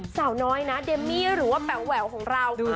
สาวน้อยนะเดมมี่หรือว่าแป๋วแหววของเรา